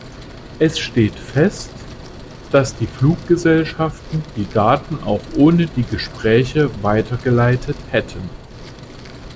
Es steht fest, dass die Fluggesellschaften die Daten auch ohne die Gespräche weitergeleitet hätten.